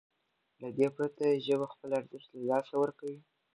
له دې پرته ژبه خپل ارزښت له لاسه ورکوي.